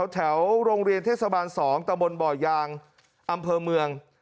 แถวโรงเรียนเทศบาล๒ตะบนบ่อยางอำเภอเมือง